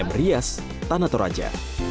m rias tanatoraja